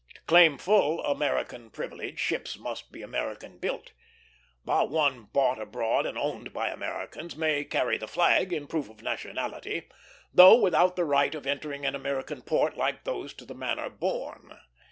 To claim full American privilege, ships must be American built; but one bought abroad and owned by Americans may carry the flag, in proof of nationality, though without the right of entering an American port like those to the manner born.